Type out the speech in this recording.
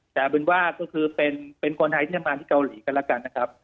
แต่ว่าก็คือเป็นคนไทยที่มาที่เกาหลีก็แล้วกันนะครับ